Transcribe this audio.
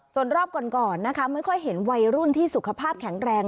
ส่วนรอบก่อนนะคะไม่ค่อยเห็นวัยรุ่นที่สุขภาพแข็งแรง